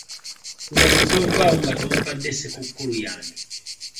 Wano tovaawo nga tompadde ssekukkulu yange.